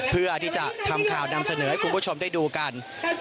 พรื่อที่จะทำข่าวสเนอป์เพื่อที่จะชมได้ดูกัน